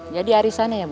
jadi aris sana ya bu